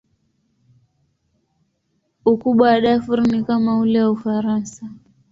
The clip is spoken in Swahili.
Ukubwa wa Darfur ni kama ule wa Ufaransa.